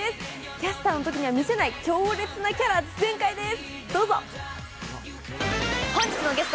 キャスターのときには見せない強烈なキャラ全開です。